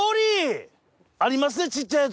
ありますね小っちゃいやつ。